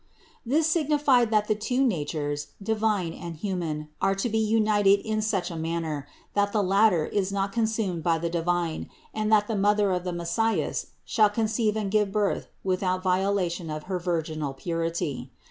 This signified that the two natures, divine and human, are to be united in such a manner, that the latter is not consumed by the divine, and that the Mother of the Messias shall conceive and give birth without violation of her virginal purity.